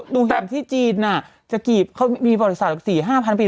ดูเห็นที่จีนจะกลีบเขามีบริษัทสี่ห้าพันปี